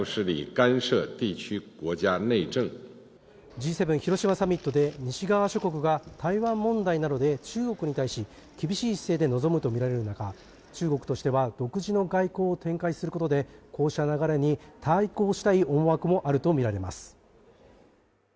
Ｇ７広島サミットで西側諸国が台湾問題などで中国に対し厳しい姿勢で臨むとみられる中、中国としては、独自の外交を展開することで、こうした流れに対抗したい思惑もあるとみられます。